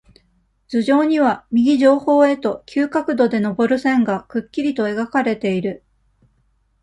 頭上には、右上方へと、急角度でのぼる線が、くっきりと描かれている。